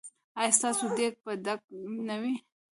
ایا ستاسو دیګ به ډک نه وي؟